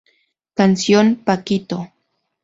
Canción: "Paquito".